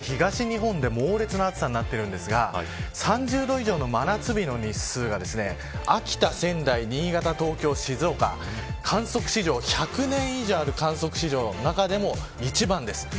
特に北日本や東日本で猛烈な暑さになっていますが３０度以上の真夏日の日数が秋田、仙台、新潟、東京、静岡１００年以上ある観測の中でも史上最多です。